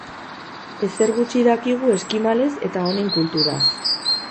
Ezer gutxi dakigu eskimalez eta honen kulturaz.